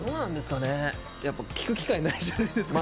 やっぱ聴く機会ないんじゃないですか？